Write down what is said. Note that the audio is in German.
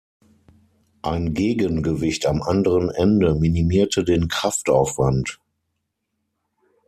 Ein Gegengewicht am anderen Ende minimierte den Kraftaufwand.